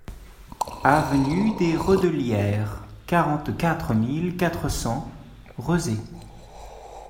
Avenue des Redellières, quarante-quatre mille quatre cents Rezé